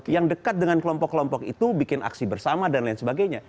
yang dekat dengan kelompok kelompok itu bikin aksi bersama dan lain sebagainya